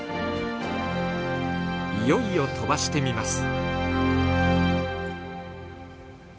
いよいよ飛ばしてみます。